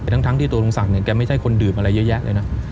ทั้งที่ตัวลุงศักดิ์แกไม่ใช่คนดื่มอะไรเยอะแยะเลยนะ